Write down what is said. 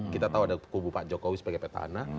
kita tahu ada kubu pak jokowi sebagai peta ana